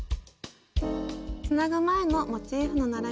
つなぐ前のモチーフの並びです。